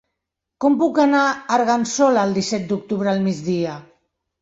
Com puc anar a Argençola el disset d'octubre al migdia?